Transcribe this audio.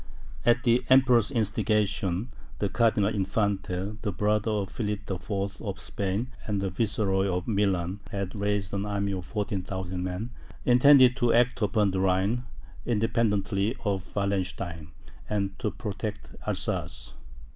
At the Emperor's instigation, the Cardinal Infante, the brother of Philip IV. of Spain, and the Viceroy of Milan, had raised an army of 14,000 men, intended to act upon the Rhine, independently of Wallenstein, and to protect Alsace.